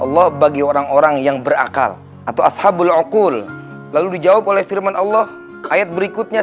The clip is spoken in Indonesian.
allah bagi orang orang yang berakal atau ashabul akul lalu dijawab oleh firman allah ayat berikutnya